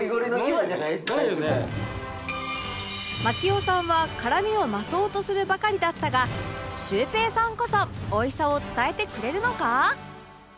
槙尾さんは辛みを増そうとするばかりだったがシュウペイさんこそおいしさを伝えてくれるのか？